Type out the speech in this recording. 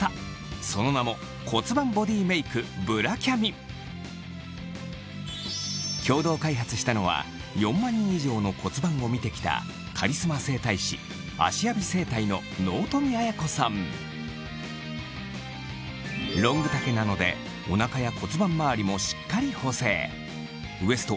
その名も共同開発したのは４万人以上の骨盤を見てきたカリスマ整体師ロング丈なのでおなかや骨盤まわりもしっかり補整ウエスト